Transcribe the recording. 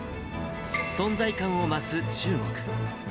存在感を増す中国。